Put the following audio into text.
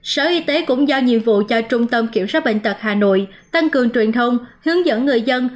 sở y tế cũng giao nhiệm vụ cho trung tâm kiểm soát bệnh tật hà nội tăng cường truyền thông hướng dẫn người dân